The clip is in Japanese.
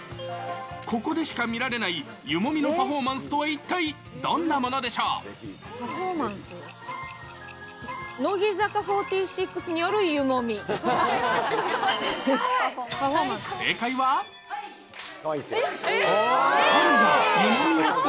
ここでしか見られない湯もみのパフォーマンスとは一体どんなものパフォーマンス？